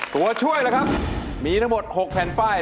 ตัวช่วยล่ะครับมีทั้งหมด๖แผ่นป้าย